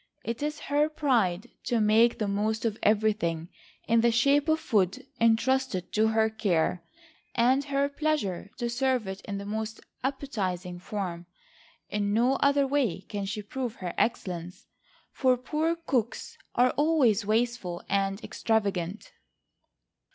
It is her pride to make the most of everything in the shape of food entrusted to her care; and her pleasure to serve it in the most appetizing form. In no other way can she prove her excellence; for poor cooks are always wasteful and extravagant.